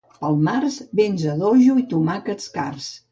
Pel març, vents a dojo i tomàquets cars.